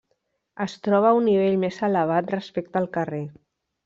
Es troba a un nivell més elevat respecte el carrer.